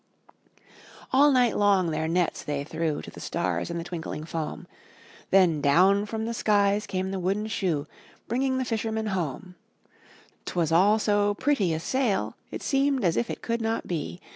141 MY BOOK HOUSE 142 IN THE NURSERY All night long their nets they threw To the stars in the twinkling foam — Then down from the skies came the wooden shoe, Bringing the fishermen home; Twas all so pretty a sail, it seemed As if it could not be.